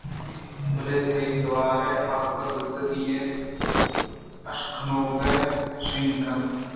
بلے تئی توار وَ پہک بژّگی اِنت ءُ اِشکنوک ءَ شانگ کئیت